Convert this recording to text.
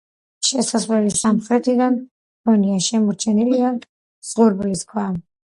შესასვლელი სამხრეთიდან ჰქონია, შემორჩენილია ზღურბლის ქვა.